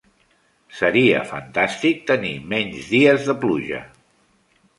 Seria fantàstic tenir menys dies de pluja.